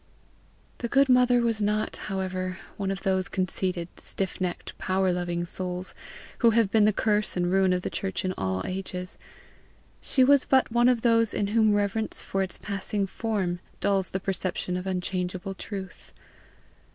The good mother was not, however, one of those conceited, stiff necked, power loving souls who have been the curse and ruin of the church in all ages; she was but one of those in whom reverence for its passing form dulls the perception of unchangeable truth.